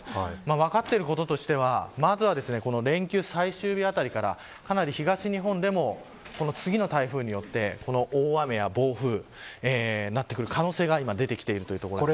分かっていることとしては連休最終日あたりからかなり東日本でも次の台風によって大雨や暴風になってくる可能性が出てきているというところです。